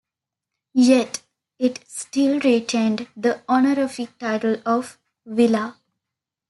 Yet, it still retained the honorific title of "vila".